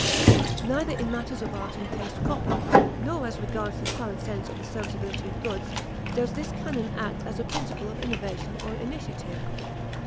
Neither in matters of art and taste proper, nor as regards the current sense of the serviceability of goods, does this canon act as a principle of innovation or initiative.